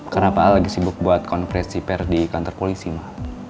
karena pak al lagi sibuk buat konfres sipir di kantor polisi ma